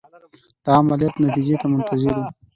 د عملیات نتیجې ته منتظر وو.